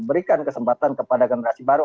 berikan kesempatan kepada generasi baru